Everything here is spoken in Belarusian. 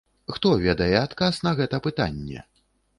Хто ведае адказ на гэта пытанне?